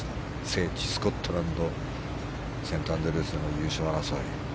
聖地スコットランドセントアンドリュースでも優勝争い。